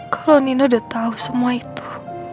kalau nino udah tahu semua itu